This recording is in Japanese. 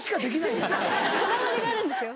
こだわりがあるんですよ